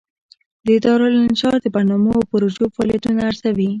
دارالانشا د برنامو او پروژو فعالیتونه ارزوي.